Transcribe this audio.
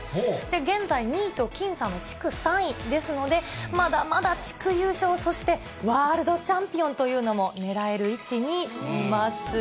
現在２位と僅差の地区３位ですので、まだまだ地区優勝、そしてワールドチャンピオンという名も狙える位置にいます。